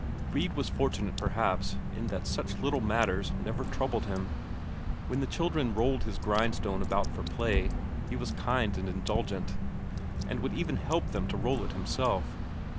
Brede was fortunate perhaps in that such little matters never troubled him. When the children rolled his grindstone about for play, he was kind and indulgent, and would even help them to roll it himself.